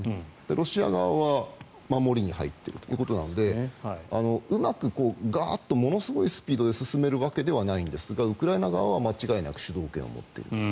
ロシア側は守りに入ってるということなのでうまくガーッとものすごいスピードで進めるわけじゃないんですがウクライナ側は間違いなく主導権を持っている。